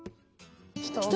人